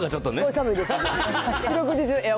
寒いです。